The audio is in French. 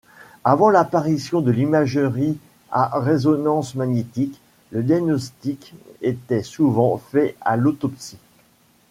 Avant l'apparition de l'imagerie à résonance magnétique, le diagnostic était souvent fait à l'autopsie.